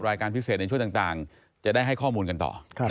รายการพิเศษในช่วงต่างจะได้ให้ข้อมูลกันต่อ